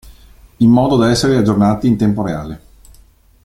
In modo da essere aggiornati in tempo reale.